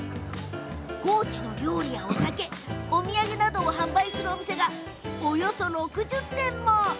高知の料理や、お酒お土産などを販売するお店がおよそ６０店も。